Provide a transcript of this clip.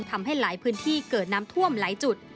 ทำให้หลายพื้นที่เกิดน้ำท่วมหลายจุด